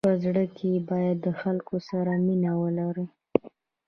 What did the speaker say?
په زړه کي باید د خلکو سره مینه ولری.